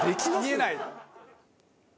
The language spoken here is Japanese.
見えない。